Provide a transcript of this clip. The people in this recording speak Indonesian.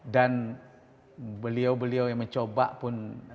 dan beliau beliau yang mencoba pun